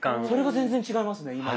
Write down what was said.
それが全然違いますね。